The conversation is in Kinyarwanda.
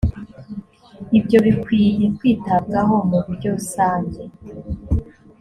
ibyo bikwiye kwitabwaho mu buryo rusange